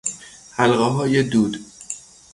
حلقههای دود